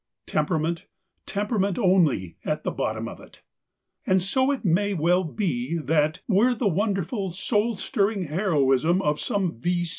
Temperament, temperament only, at the bottom of it; And so it may well be that, were the wonderful, soul stirring heroism of some V.